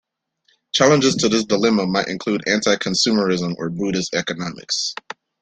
Challenges to this dilemma might include anti-consumerism or Buddhist economics.